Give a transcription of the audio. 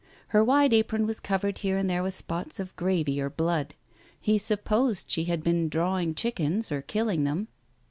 Her wide apron was covered here and there with spots of gravy or blood ; he supposed she had been "drawing" chickens or killing them.